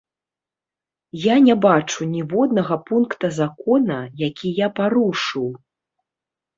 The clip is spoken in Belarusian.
Я не бачу ніводнага пункта закона, які я парушыў.